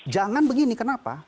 jangan begini kenapa